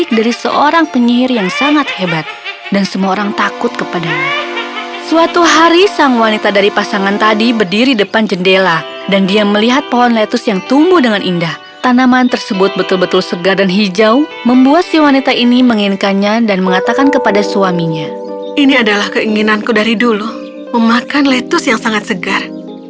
keinginanku dari dulu memakan lettuce yang sangat segar